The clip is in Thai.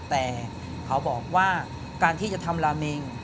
แต่เขาบอกว่าการที่จะทำลาเมง